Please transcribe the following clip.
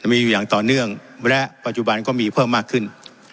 มีอยู่อย่างต่อเนื่องและปัจจุบันก็มีเพิ่มมากขึ้น